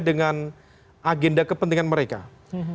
sehingga siapapun yang berada di dalam harus tunduk di bawah konstitusi partai